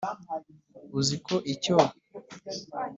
uzi ko icyo